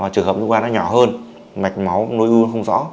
trường hợp ung thư gan nhỏ hơn mạch máu nuôi ung thư gan không rõ